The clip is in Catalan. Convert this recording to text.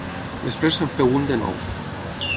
Després se’n féu un de nou.